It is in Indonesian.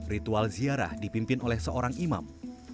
ritual ziarah dipimpin oleh seorang imam